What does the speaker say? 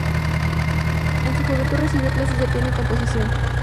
En su juventud recibió clases de piano y composición.